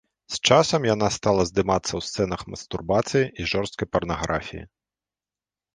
З часам яна стала здымацца ў сцэнах мастурбацыі і жорсткай парнаграфіі.